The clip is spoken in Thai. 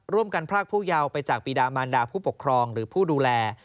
พรากผู้เยาวไปจากปีดามารดาผู้ปกครองหรือผู้ดูแล